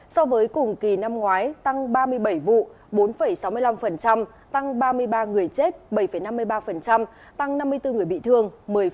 so với cùng kỳ năm ngoái tăng ba mươi bảy vụ bốn sáu mươi năm tăng ba mươi ba người chết bảy năm mươi ba tăng năm mươi bốn người bị thương một mươi bốn